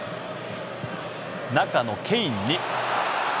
中のケインに。